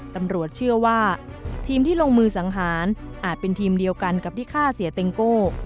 ตำรวจเชื่อว่าทีมที่ลงมือสังหารอาจเป็นทีมเดียวกันกับที่ฆ่าเสียเต็งโก้